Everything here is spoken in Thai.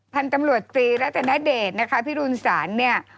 พันธุ์ตำรวจตีละแต่ณเดชน์พี่รุนสรรเนี่ย